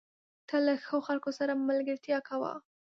تل له ښو خلکو سره ملګرتيا کوه.